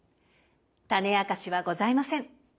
タネあかしはございません。